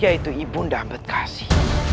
yaitu yuda ambedkasi